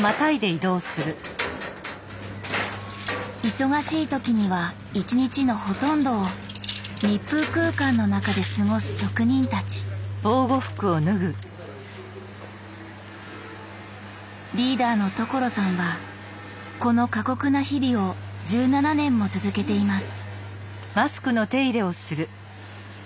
忙しい時には一日のほとんどを密封空間の中で過ごす職人たちリーダーの所さんはこの過酷な日々を１７年も続けています